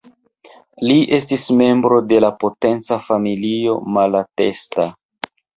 Li estis membro de la potenca familio Malatesta.